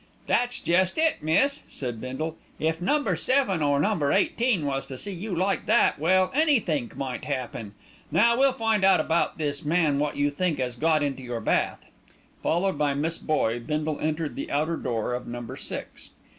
"That's jest it, miss," said Bindle. "If Number Seven or Number Eighteen was to see you like that, well, anythink might 'appen. Now we'll find out about this man wot you think 'as got into your bath." Followed by Miss Boye, Bindle entered the outer door of Number Six.